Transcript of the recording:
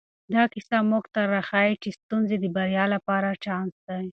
دا کیسه موږ ته راښيي چې ستونزې د بریا لپاره یو چانس دی.